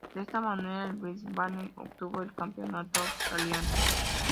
De esta manera el Brisbane obtuvo el campeonato australiano.